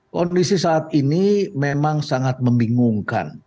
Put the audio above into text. kondisi saat ini memang sangat membingungkan